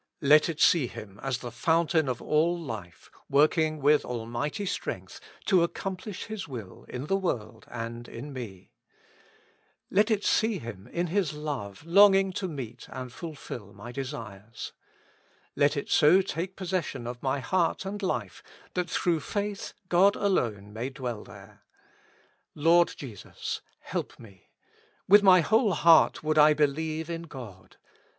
Let it see Him as the Fountain of all Life, working with Almighty Strength to accomplish His will on the world and in me. Let it see Him in His Love 99 With Christ in the School of Prayer. longing to meet and fulfil my desires. Let it so take possession of my heart and life that through faith God alone may dwell there. Lord Jesus, help me ! with my whole heart would I believe in God.